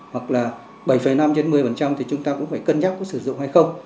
hoặc là bảy năm một mươi thì chúng ta cũng phải cân nhắc sử dụng hay không